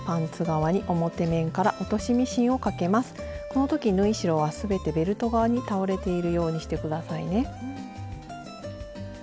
この時縫い代は全てベルト側に倒れているようにして下さいね。